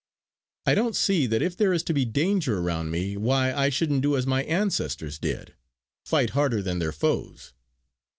I don't see that if there is to be danger around me, why I shouldn't do as my ancestors did, fight harder than their foes.